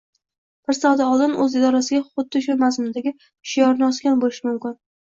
bir soat oldin, o‘z idorasiga xuddi shu mazmundagi shiorni osgan bo‘lishi mumkin.